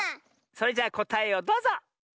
それじゃあこたえをどうぞ！